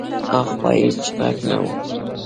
هاخوا هېڅ غږ نه و.